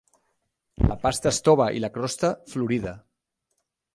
La pasta és tova i la crosta florida.